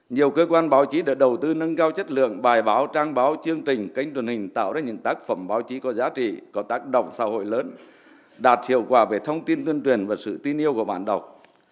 nhiều cơ quan báo chí đã đầu tư nâng cao chất lượng bài báo trang báo chương trình kênh truyền hình tạo ra những tác phẩm báo chí có giá trị có tác động xã hội lớn đạt hiệu quả về thông tin tuyên truyền và sự tin yêu của bản đọc